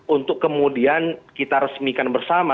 untuk kemudian kita resmikan bersama